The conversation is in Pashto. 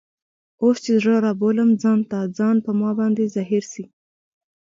اوس چي زړه رابولم ځان ته ، ځان په ما باندي زهیر سي